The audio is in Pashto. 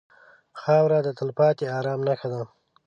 خاوره د تلپاتې ارام نښه ده.